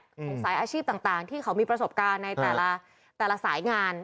ของสายอาชีพต่างที่เขามีประสบการณ์ในแต่ละสายงาน